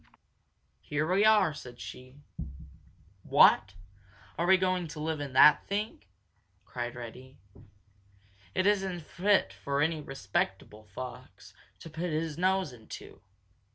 "Here we are!" said she. "What! Are we going to live in that thing?" cried Reddy. "It isn't fit for any respectable fox to put his nose into."